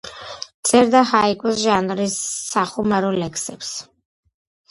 წერდა ჰაიკუს ჟანრის სახუმარო ლექსებს.